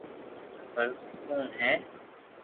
پر ڪوڻ ھي